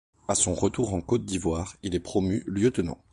À son retour en Côte d'Ivoire, il est promu lieutenant.